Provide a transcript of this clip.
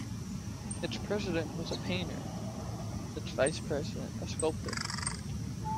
Its president was a painter and its vice-president a sculptor.